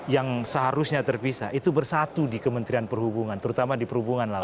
yang seharusnya terpisah itu bersatu di kementerian perhubungan terutama di perhubungan laut